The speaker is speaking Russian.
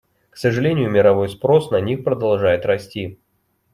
К сожалению, мировой спрос на них продолжает расти.